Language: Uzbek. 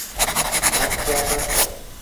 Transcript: Sharq siyosati